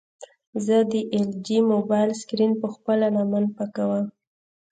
زه د ایل جي موبایل سکرین په خپله لمن پاکوم.